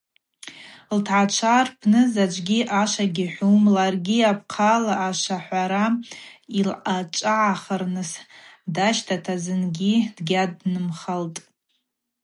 Лтгӏачва рпны заджвгьи ашва гьихӏвум, ларгьи апхъала ашвахӏвара йылъачӏвагӏахарныс дащтата зынгьи дгьаднымхалтӏ.